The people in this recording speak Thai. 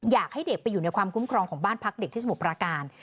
อยากให้เด็กไปอยู่ในความคุ้มครองของบ้านพักเด็กที่สมุทรประการ